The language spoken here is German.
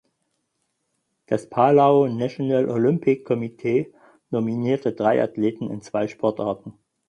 Das Palau National Olympic Committee nominierte drei Athleten in zwei Sportarten.